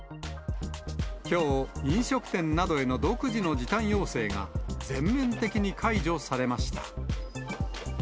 きょう、飲食店などへの独自の時短要請が全面的に解除されました。